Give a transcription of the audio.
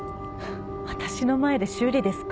私の前で修理ですか。